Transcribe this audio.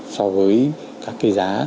so với các cái giá